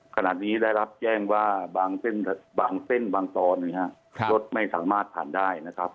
ขณะนี้ได้รับแจ้งว่าบางเส้นบางเส้นบางตอนรถไม่สามารถผ่านได้นะครับ